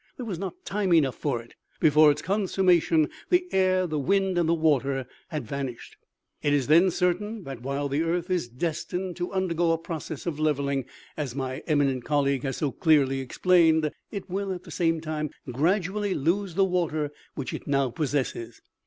There was not time enough for it ; before its consummation, the air, the wind and the water had vanished. "It is then certain that, while the earth is destined to 96 OMEGA. undergo a process of levelling, as my eminent colleague has so clearly explained, it will at the same time gradually lose the water which it now possesses.